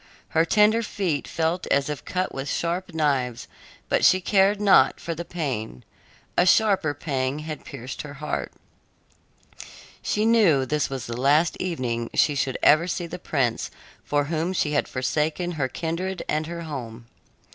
Her tender feet felt as if cut with sharp knives, but she cared not for the pain; a sharper pang had pierced her heart. She knew this was the last evening she should ever see the prince for whom she had forsaken her kindred and her home.